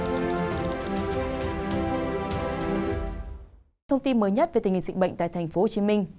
thông tin mới nhất về tình hình dịch bệnh tại tp hcm